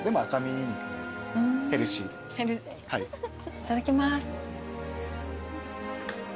いただきます。